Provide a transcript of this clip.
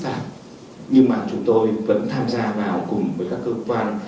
tài sản số nó sẽ là một cái phức tạp nhưng mà chúng tôi vẫn tham gia vào cùng với các cơ quan